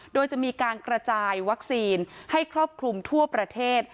โดยจะมีการกระจายวัคซีนให้ครอบคลุมทั่วประเทศ